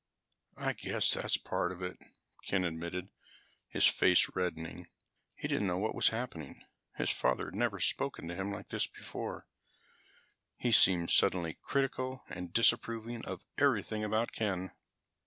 "I guess that's part of it," Ken admitted, his face reddening. He didn't know what was happening. His father had never spoken to him like this before. He seemed suddenly critical and disapproving of everything about Ken.